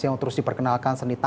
yang terus diperkenalkan senitanya